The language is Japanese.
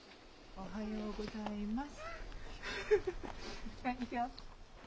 おはようございます。